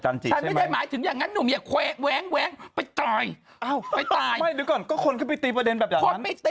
เจ๊มังที่ทำอย่างเชียงใหม่